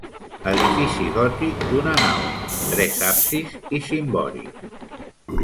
Edifici gòtic d'una nau, tres absis i cimbori.